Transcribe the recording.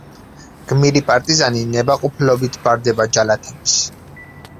გმირი პარტიზანი ნებაყოფლობით ბარდება ჯალათებს.